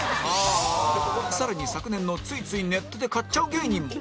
更に昨年のついついネットで買っちゃう芸人も